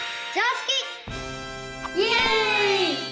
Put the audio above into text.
イエイ！